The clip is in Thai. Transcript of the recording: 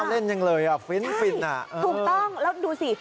น้ำเล่นจังเลยอ่ะฟินอ่ะใช่ถูกต้องแล้วดูสิ